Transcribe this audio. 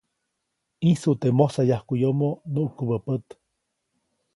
ʼĨjsut teʼ mosayajkuʼyomo nuʼkubä pät.